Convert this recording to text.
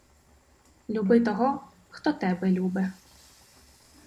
Люби того, хто тебе любе.